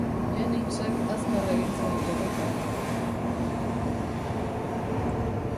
Jenningsek azkar egin zuen korrika.